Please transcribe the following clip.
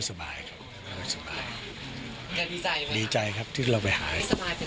สบายเป็นอะไรเลย